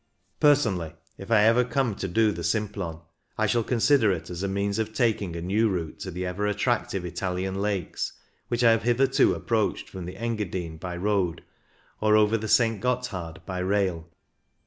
Personally, if I ever come to do the Simplon, I shall consider it as a means of taking a new route to the ever attractive Italian lakes, which I have hitherto approached from the Engadine by road or over the St. Gotthard by rail.